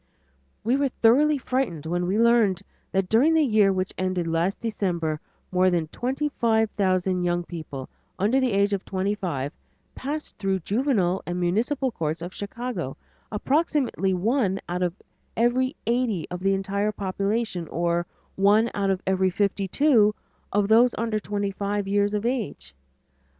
We were thoroughly frightened when we learned that during the year which ended last December, more than twenty five thousand young people under the age of twenty five passed through the Juvenile and Municipal Courts of Chicago approximately one out of every eighty of the entire population, or one out of every fifty two of those under twenty five years of age.